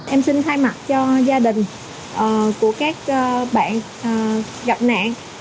em xin thay mặt cho gia đình của các bạn gặp nạn